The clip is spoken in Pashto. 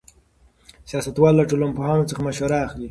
سیاستوال له ټولنپوهانو څخه مشوره اخلي.